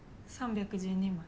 ３１２枚。